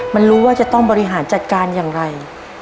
มันรู้ว่าจะต้องบริหารจัดการอย่างไร